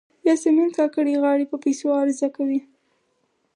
یاسمین کاکړۍ غاړې په پیسو عرضه کوي.